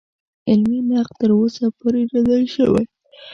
علمي نقد تر اوسه پورې نه دی شوی.